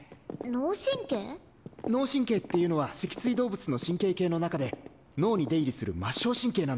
脳神経っていうのは脊椎動物の神経系の中で脳に出入りする末梢神経なんだ。